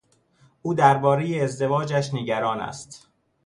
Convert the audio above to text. او دربارهی ازدواجش نگران است.